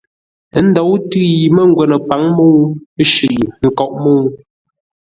Ə́ ndǒu tʉ̌ yi mə́ngwə́nə paŋ mə́ mə́u shʉʼʉ ńkóʼ mə́u.